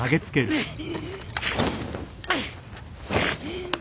うっ。